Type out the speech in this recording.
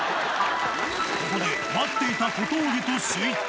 ここで待っていた小峠とスイッチ。